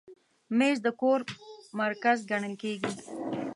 مېز د کور مرکز ګڼل کېږي.